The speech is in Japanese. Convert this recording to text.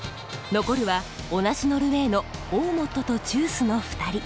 残るは同じノルウェーのオーモットとチュースの２人。